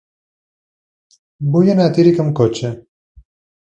Vull anar a Tírig amb cotxe.